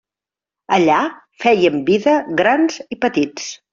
Allà fèiem vida, grans i petits.